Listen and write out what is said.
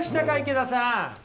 池田さん。